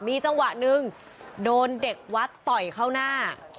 มีจังหวะหนึ่งโดนเด็กวัดต่อยเข้าหน้า